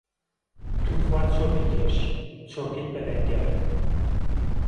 توخوا چۆپیکێش چۆپیت به لهنگهر